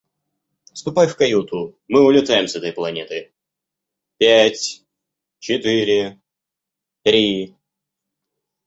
Ступай в каюту, мы улетаем с этой планеты. Пять-четыре-три...